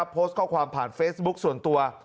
โพสต์ข้อความผ่านเฟซบุ๊คส่วนตัว